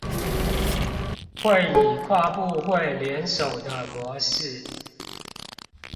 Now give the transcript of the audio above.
會以跨部會聯手的模式